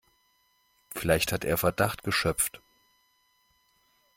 Vielleicht hat er Verdacht geschöpft.